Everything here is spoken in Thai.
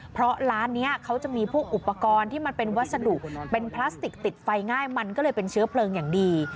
เพราะร้านนี้เขาจะมีพวกอุปกรณ์ที่มันเป็นวัสดุเป็นพลาสติกติดไฟง่ายมันก็เลยเป็นเชื้อเพลิงอย่างดี